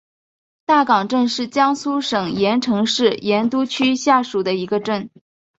大冈镇是江苏省盐城市盐都区下属的一个镇。